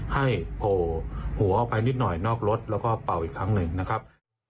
โผล่หัวออกไปนิดหน่อยนอกรถแล้วก็เป่าอีกครั้งหนึ่งนะครับ